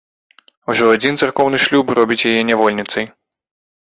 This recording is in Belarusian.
Ужо адзін царкоўны шлюб робіць яе нявольніцай.